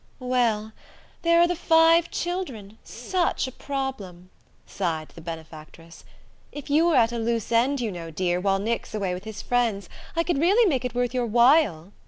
"Well, there are the five children such a problem," sighed the benefactress. "If you were at a loose end, you know, dear, while Nick's away with his friends, I could really make it worth your while...."